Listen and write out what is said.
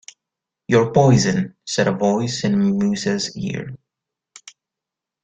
“Your poison!” said a voice in Musa’s ear.